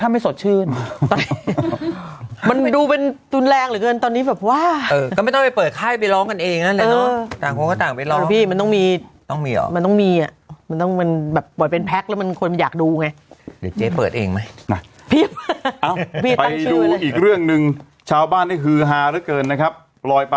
มันดูเป็นตูนแรงเหรอเกินตอนนี้แบบว่าเออก็ไม่ต้องไปเปิดค่ายไปร้องกันเองนั่นแหละเนอะเออต่างคนก็ต่างไปร้องพี่มันต้องมีต้องมีหรอมันต้องมีอ่ะมันต้องมันแบบปล่อยเป็นแพ็คแล้วมันควรมันอยากดูไงเดี๋ยวเจ๊เปิดเองไหมน่ะพี่อ้าวไปดูอีกเรื่องหนึ่งชาวบ้านที่ฮือฮารึเกินนะครับรอยป